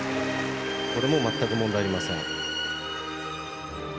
これも全く問題ありません。